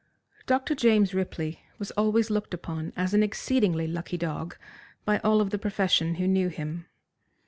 Dr. James Ripley was always looked upon as an exceedingly lucky dog by all of the profession who knew him.